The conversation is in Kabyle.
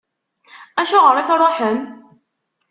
Acuɣer i tṛuḥem?